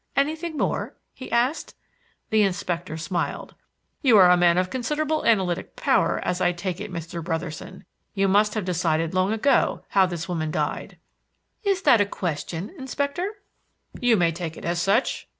"Anything more?" he asked. The Inspector smiled. "You are a man of considerable analytic power, as I take it, Mr. Brotherson. You must have decided long ago how this woman died." "Is that a question, Inspector?" "You may take it as such."